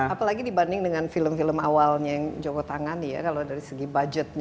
apalagi dibanding dengan film film awalnya yang joko tangani ya kalau dari segi budgetnya